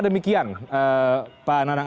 demikian pak anang